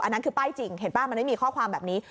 นั่นคือป้ายจริงเห็นป่ะมันไม่มีข้อความแบบนี้